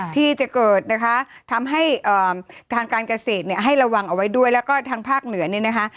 ที่จะเกิดนะคะทำให้ทางการเกษตรเนี่ยให้ระวังเอาไว้ด้วยแล้วก็ทางภาคเหนือเนี่ยนะคะ